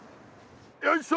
よいしょ。